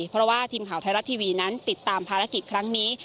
เพราะว่าทีมข่าวไทยรัฐทีวีนั้นติดตามภารกิจครั้งนี้